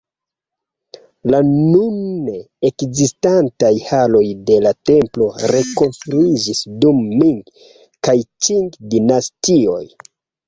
La nune ekzistantaj haloj de la templo rekonstruiĝis dum Ming- kaj Ĉing-dinastioj.